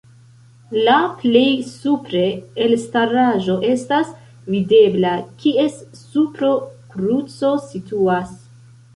La plej supre elstaraĵo estas videbla, kies supro kruco situas.